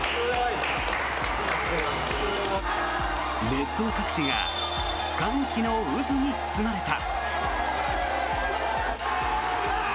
列島各地が歓喜の渦に包まれた。